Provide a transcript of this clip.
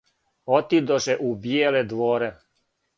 Отидоше у бијеле дворе,